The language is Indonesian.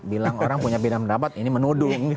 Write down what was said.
bilang orang punya pendapat ini menudung